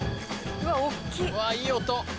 うわいい音。